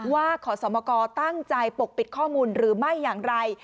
ขอสมกตั้งใจปกปิดข้อมูลหรือไม่อย่างไร